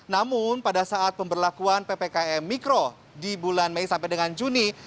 namun pada saat pemberlakuan ppkm mikro di bulan mei sampai dengan juni